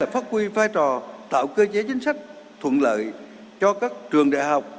phát huy vai trò tạo cơ chế chính sách thuận lợi cho các trường đại học